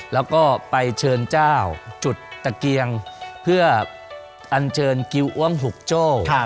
แล้วก็ไปเชิญเจ้าจุดตะเกียงเพื่ออัญเชิญกิวอ้วมหุกโจ้